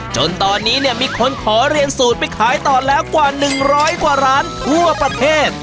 จนตอนนี้เนี่ยมีคนขอเรียนสูตรไปขายต่อแล้วกว่า๑๐๐กว่าร้านทั่วประเทศ